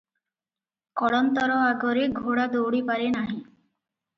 କଳନ୍ତର ଆଗରେ ଘୋଡ଼ା ଦଉଡ଼ି ପାରେ ନାହିଁ ।